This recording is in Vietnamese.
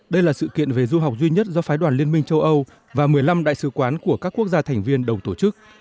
đây là sự kiện về du học duy nhất do phái đoàn liên minh châu âu và một mươi năm đại sứ quán của các quốc gia thành viên đồng tổ chức